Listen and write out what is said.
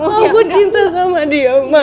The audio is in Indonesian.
aku cinta sama dia ma